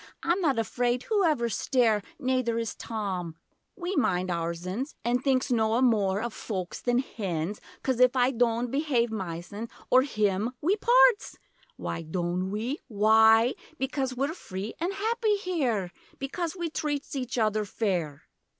I'm not afraid whoever stare, Nayther is Tom! We minds oursens An' thinks noa more of foaks than hens, Coz if I doant behave mysen Or him We parts! Why doant we? Why? Becoz we're free an' happy here, Becoz we treats each other fair!'